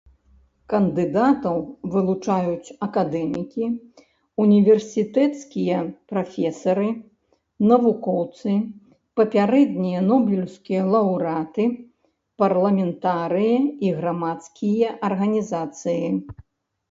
Кандыдатаў вылучаюць акадэмікі, універсітэцкія прафесары, навукоўцы, папярэднія нобелеўскія лаўрэаты, парламентарыі і грамадскія арганізацыі.